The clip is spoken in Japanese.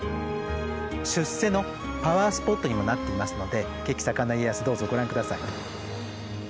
出世のパワースポットにもなっていますので血気盛んな家康どうぞご覧下さい。